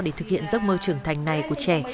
để thực hiện giấc mơ trưởng thành này của trẻ